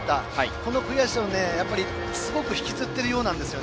この悔しさをすごく引きずっているようなんです。